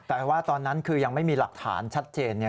แต่ว่าตอนนั้นคือยังไม่มีหลักฐานชัดเจน